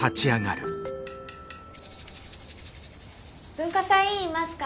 文化祭委員いますか？